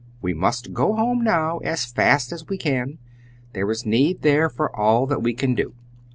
We must go home now as fast as we can. There is need there for all that we can do!